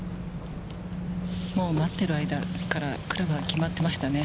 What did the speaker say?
待ってる間からクラブは決まってましたね。